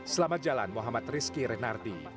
selamat jalan muhammad rizky renardi